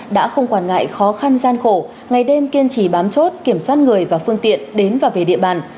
đã không quản ngại khó khăn gian khổ ngày đêm kiên trì bám chốt kiểm soát người và phương tiện đến và về địa bàn